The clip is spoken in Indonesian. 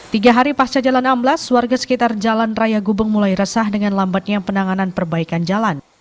tiga hari pasca jalan amblas warga sekitar jalan raya gubeng mulai resah dengan lambatnya penanganan perbaikan jalan